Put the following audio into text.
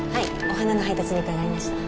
お花の配達に伺いました。